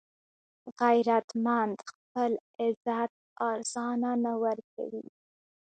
غیرتمند خپل عزت ارزانه نه ورکوي